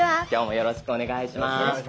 よろしくお願いします。